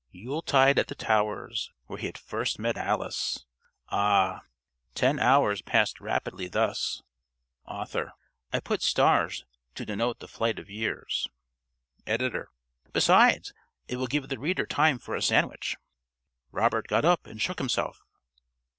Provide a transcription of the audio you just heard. Yuletide at the Towers, where he had first met Alice! Ah! Ten hours passed rapidly thus.... (~Author.~ I put stars to denote the flight of years. ~Editor.~ Besides, it will give the reader time for a sandwich.) Robert got up and shook himself.